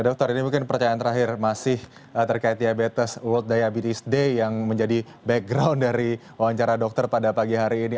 dokter ini mungkin percayaan terakhir masih terkait diabetes world diabetes day yang menjadi background dari wawancara dokter pada pagi hari ini